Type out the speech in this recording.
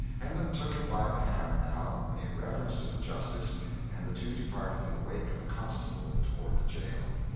Hendon took him by the hand, now, made reverence to the justice, and the two departed in the wake of the constable toward the jail.